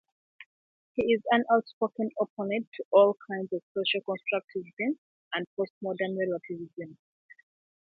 He is an outspoken opponent to all kinds of social constructivism and postmodern relativism.